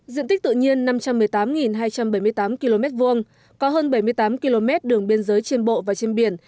diện tích tự nhiên năm trăm một mươi tám hai trăm bảy mươi tám km hai có hơn bảy mươi tám km đường biên giới trên bộ và trên biển